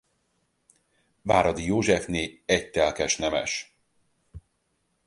Váradi Józsefné egy telkes nemes.